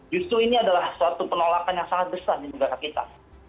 justru ini adalah suatu penolakan yang sangat besar di negara kita